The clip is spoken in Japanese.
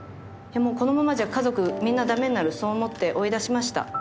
このままじゃ家族みんな駄目になるそう思って追い出しました。